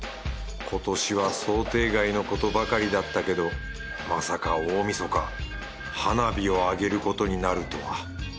今年は想定外のことばかりだったけどまさか大晦日花火を上げることになるとは